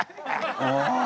ああ！